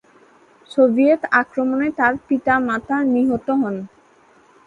Soviet আক্রমণে তার পিতা-মাতা নিহত হন।